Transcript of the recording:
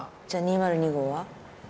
じゃあ２０２号は？